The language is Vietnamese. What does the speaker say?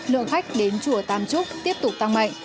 lượng khách đến chùa tam trúc tiếp tục tăng mạnh